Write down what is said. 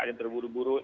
ada yang terburu buru